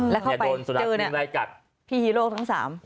แล้วเข้าไปเจอเนี่ยพี่ฮีโรคทั้ง๓